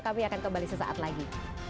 kami akan kembali sesaat lagi